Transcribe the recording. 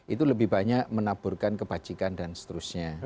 itu lebih banyak menaburkan kebajikan dan seterusnya